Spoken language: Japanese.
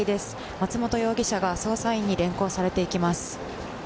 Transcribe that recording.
松本容疑者が捜査員に連行されていきます。